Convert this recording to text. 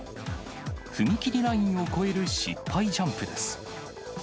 踏み切りラインを越える失敗ジャンプです。